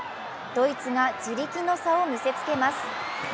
ドイツが地力の差を見せつけます。